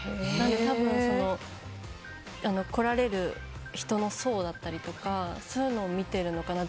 多分、来られる人の層だったりそういうのを見ているのかな